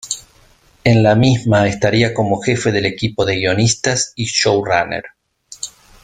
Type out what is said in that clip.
En la misma, estaría como jefe del equipo de guionistas y showrunner.